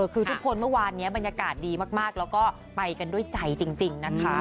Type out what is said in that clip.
คือทุกคนเมื่อวานนี้บรรยากาศดีมากแล้วก็ไปกันด้วยใจจริงนะคะ